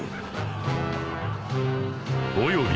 ［および］